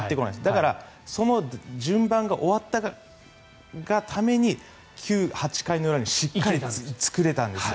だから、その順番が終わったがために８回の裏にしっかり作れたんですよ。